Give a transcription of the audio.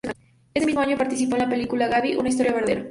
Ese mismo año participó en la película "Gaby: Una historia verdadera".